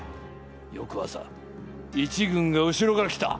よくあさ一軍が後ろから来た。